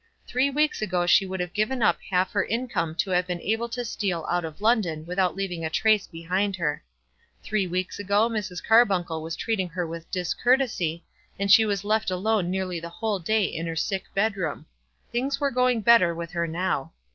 Three weeks ago she would have given up half her income to have been able to steal out of London without leaving a trace behind her. Three weeks ago Mrs. Carbuncle was treating her with discourtesy, and she was left alone nearly the whole day in her sick bedroom. Things were going better with her now.